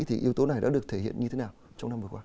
thì yếu tố này đã được thể hiện như thế nào trong năm vừa qua